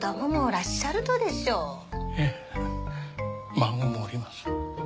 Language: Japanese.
孫もおります。